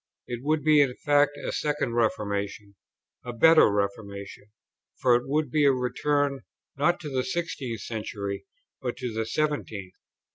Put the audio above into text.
It would be in fact a second Reformation: a better reformation, for it would be a return not to the sixteenth century, but to the seventeenth.